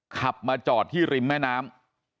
ขับมาจอดที่ริมแม่น้ำ